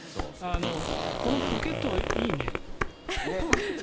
このポケットいいね。